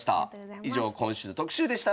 以上今週の特集でした。